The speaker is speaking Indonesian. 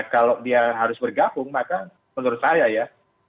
kalau dia harus bergabung maka menurut saya ya